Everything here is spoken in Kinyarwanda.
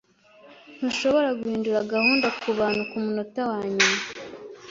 Ntushobora guhindura gahunda kubantu kumunota wanyuma.